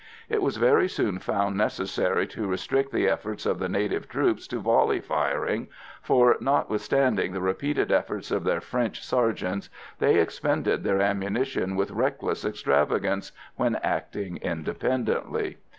It was very soon found necessary to restrict the efforts of the native troops to volley firing, for, notwithstanding the repeated efforts of their French sergeants, they expended their ammunition with reckless extravagance when acting independently.